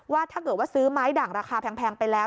ว่าถ้าเกิดซื้อไม้ดั่งราคาแพงไปแล้ว